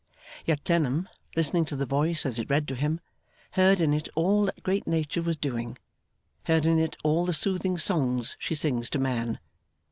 Yet Clennam, listening to the voice as it read to him, heard in it all that great Nature was doing, heard in it all the soothing songs she sings to man.